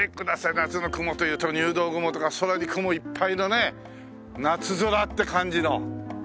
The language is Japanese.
夏の雲というと入道雲とか空に雲いっぱいのね夏空って感じの。